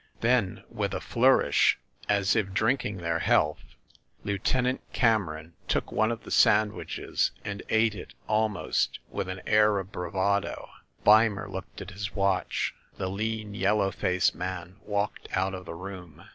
Then with a flourish, as if drinking THE ASSASSINS' CLUB 261 their health, Lieutenant Cameron took one of the sand wiches and ate it almost with an air of bravado. Beimer looked at his watch. The lean yellow faced man walked out of the room.